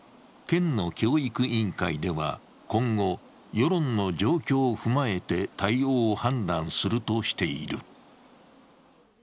県の教育委員会では今後世論の状況を踏まえて対応を判断するとしている。